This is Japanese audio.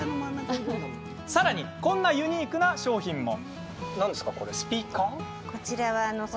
さらにこんなユニークな商品も。